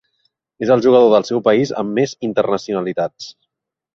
És el jugador del seu país amb més internacionalitats.